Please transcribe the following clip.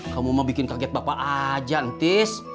kamu mah bikin kaget bapak aja entis